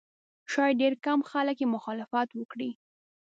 شاید ډېر کم خلک یې مخالفت وکړي.